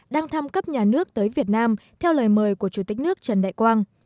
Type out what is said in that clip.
đang thăm cấp nhà nước tới việt nam theo lời mời của chủ tịch nước trần đại quang